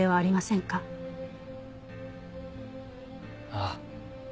ああ。